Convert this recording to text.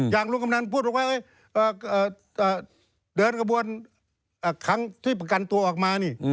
อย่างลุงกำนันพูดว่าเดินกระบวนที่ประกันตัวออกมานี่